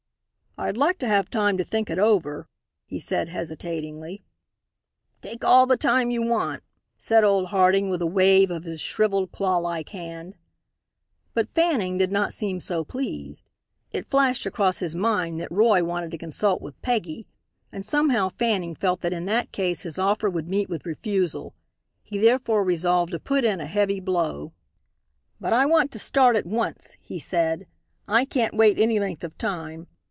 "I'd like to have time to think it over," he said, hesitatingly. "Take all the time you want," said old Harding, with a wave of his shrivelled, claw like hand. But Fanning did not seem so pleased. It flashed across his mind that Roy wanted to consult with Peggy, and somehow Fanning felt that in that case his offer would meet with refusal. He therefore resolved to put in a heavy blow. "But I want to start at once," he said. "I can't wait any length of time.